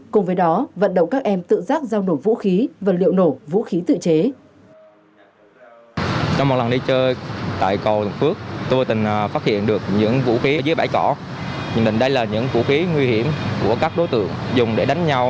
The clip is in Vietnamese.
cùng với đó vận động các em tự giác giao nộp vũ khí vật liệu nổ vũ khí tự chế